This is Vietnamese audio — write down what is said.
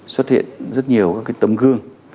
xuất hiện rất nhiều tấm gương